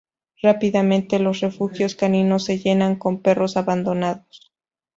Rápidamente, los refugios caninos se llenan con perros abandonados.